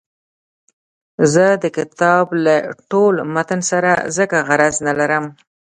زه د کتاب له ټول متن سره ځکه غرض نه لرم.